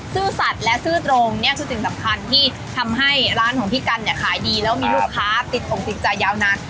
ซื่อสัตว์และซื่อตรงเนี่ยคือสิ่งสำคัญที่ทำให้ร้านของพี่กันเนี่ยขายดีแล้วมีลูกค้าติดอกติดใจยาวนาน